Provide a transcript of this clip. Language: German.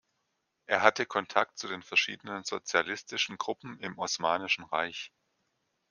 Er hatte Kontakt zu den verschiedenen sozialistischen Gruppen im Osmanischen Reich.